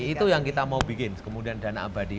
itu yang kita mau bikin kemudian dana abadi